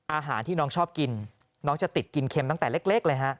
อาหารที่น้องชอบกินน้องจะติดกินเค็มตั้งแต่เล็กเลยฮะ